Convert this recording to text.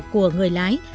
của người lái